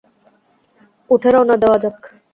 উঠে রওনা দেওয়া যাক।